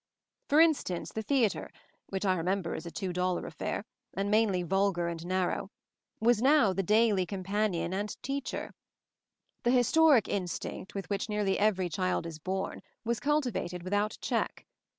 For instance the theatre, which I remem ber as a two dollar affair, and mainly vulgar and narrow, was now the daily com panion and teacher. The historic instinct with which nearly every child is born was cultivated without check.